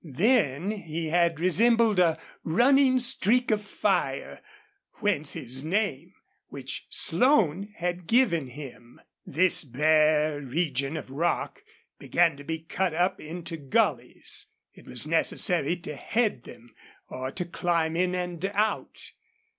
Then he had resembled a running streak of fire, whence his name, which Slone had given him. This bare region of rock began to be cut up into gullies. It was necessary to head them or to climb in and out.